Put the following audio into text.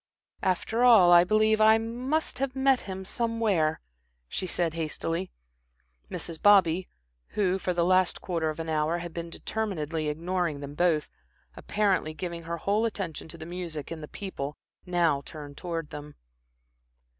"After all, I believe I must have met him somewhere," she said hastily. Mrs. Bobby, who for the last quarter of an hour, had been determinedly ignoring them both, apparently giving her whole attention to the music and the people, now turned towards them.